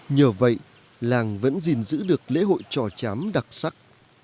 nhờ vậy làng vẫn gìn giữ được lễ hội trò chám đặc sắc